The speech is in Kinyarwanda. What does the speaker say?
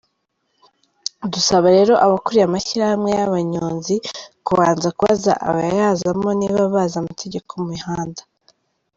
Dusaba rero abakuriye amashyirahamwe y’abanyonzi kubanza kubaza abayazamo niba bazi amategeko y’umuhanda.